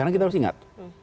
karena kita harus ingat